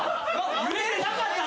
揺れてなかったのに。